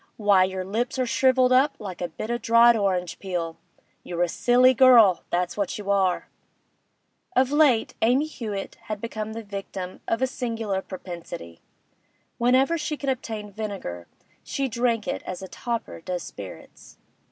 Why, your lips are shrivelled up like a bit of o' dried orange peel! You're a silly girl, that's what you are!' Of late Amy Hewett had become the victim of a singular propensity; whenever she could obtain vinegar, she drank it as a toper does spirits.